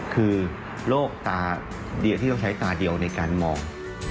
คือโรคตาเดียวที่ต้องใช้ตาเดียวในการมอง